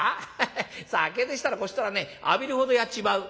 ヘヘッ酒でしたらこちとらね浴びるほどやっちまう」。